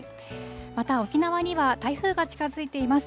また沖縄には台風が近づいています。